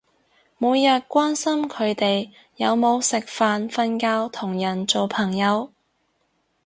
每日關心佢哋有冇食飯瞓覺同人做朋友